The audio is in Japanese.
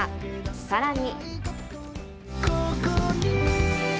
さらに。